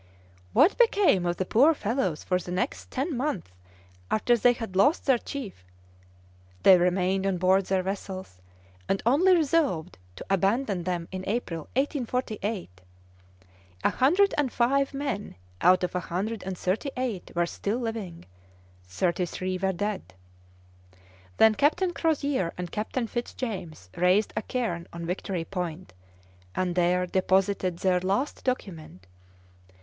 "What became of the poor fellows for the next ten months after they had lost their chief? They remained on board their vessels, and only resolved to abandon them in April, 1848; a hundred and five men out of a hundred and thirty eight were still living; thirty three were dead! Then Captain Crozier and Captain Fitz James raised a cairn on Victory Point, and there deposited their last document.